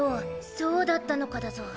そうだったのかだゾ。